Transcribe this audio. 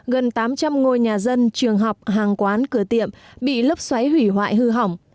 gần tám trăm linh ngôi nhà dân trường học hàng quán cửa tiệm bị lốc xoáy hủy hoại hư hỏng